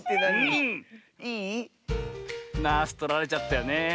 「ナース」とられちゃったよねえ。